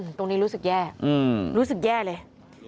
ตรงนี้รู้สึกแย่รู้สึกแย่เลย